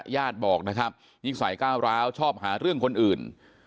ญาติบอกนะครับนิสัยก้าวร้าวชอบหาเรื่องคนอื่น